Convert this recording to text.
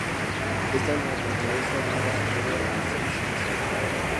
Está en la naturaleza de un refugiado el estar desplazado.